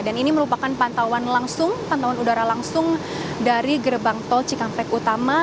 dan ini merupakan pantauan langsung pantauan udara langsung dari gerbang tol cikampek utama